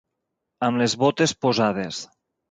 Amb les botes posades.